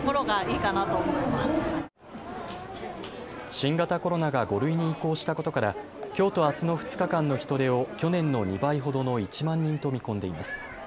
新型コロナが５類に移行したことから、きょうとあすの２日間の人出を去年の２倍ほどの１万人と見込んでいます。